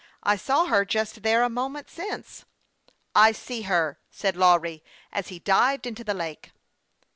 " I saw her just there a moment since." " I see her !" said Lawry, as he dived into the lake.